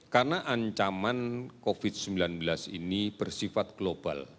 karena ancaman covid sembilan belas ini bersifat global